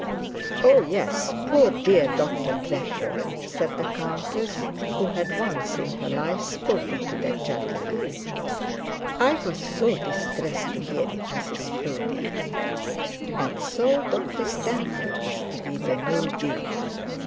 'Oh, yes, poor dear Dr Trefoil!' said the countess, who had once in her life spoken to that gentleman; 'I was so distressed to hear it, Mrs Proudie. And so Dr Stanhope is to be the new dean!